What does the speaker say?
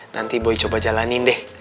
nanti boy coba jalanin deh